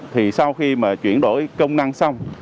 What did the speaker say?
thì sau khi mà chuyển đổi công năng xong